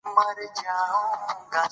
په علمي فعاليتونو کې برخه نه شي اخىستى